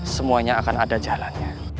semuanya akan ada jalannya